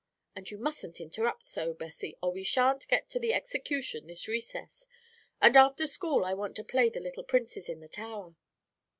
And you mustn't interrupt so, Bessie, or we shan't get to the execution this recess, and after school I want to play the little Princes in the Tower."